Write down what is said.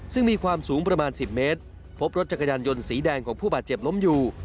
ซึ่งมีความสูงประมาณ๑๐เมตรพบรถจักรยานยนต์สีแดงของผู้บาดเจ็บล้มอยู่